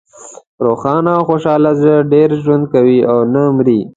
روښانه او خوشحاله زړه ډېر ژوند کوي او نه مری.